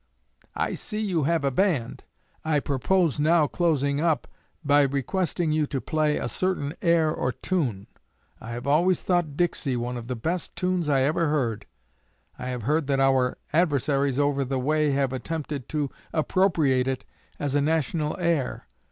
I see you have a band. I propose now closing up by requesting you to play a certain air or tune. I have always thought "Dixie" one of the best tunes I ever heard. I have heard that our adversaries over the way have attempted to appropriate it as a national air.